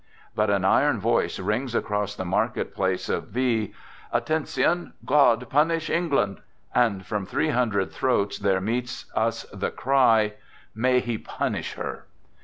But an iron voice rings across the market place of V.: "Attention! God punish England !" and from three hundred throats there meets us the cry: " May He punish her!"